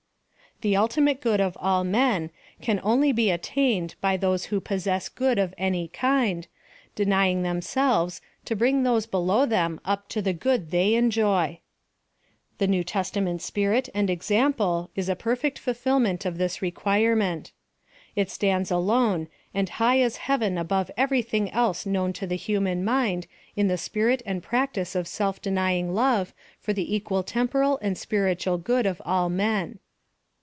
The ultimate good of all men can only be attained by those who possess good of any kind, denying themselves to bring those below them up to the good they enjoy The New Testament spirit and example is a per fect fulfilment of this requirement. It stands alone, and high as heaven above every thing else known to the human mind in the spirit and practice of self denying love for the equal temporal and spirit ual good of all men.